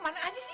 aduh lagi juga